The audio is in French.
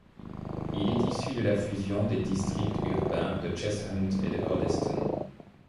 Il est issu de la fusion des districts urbains de Cheshunt et Hoddesdon.